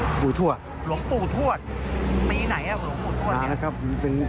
หลวงปู่ทวดหลวงปู่ทวดปีไหนอ่ะหลวงปู่ทวดนะครับ